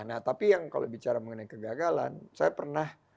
nah tapi yang kalau bicara mengenai kegagalan saya pernah